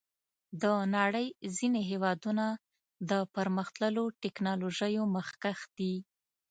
د نړۍ ځینې هېوادونه د پرمختللو ټکنالوژیو مخکښ دي.